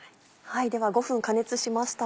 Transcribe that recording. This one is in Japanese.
では５分加熱しました